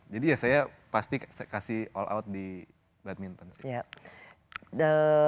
jadi ya saya pasti kasih all out di badminton sih